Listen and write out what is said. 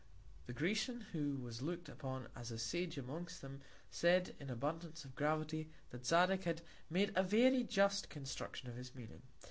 The Grecian, who was look'd upon as a Sage amongst them, said, with Abundance of Gravity, that Zadig, had made a very just Construction of his Meaning.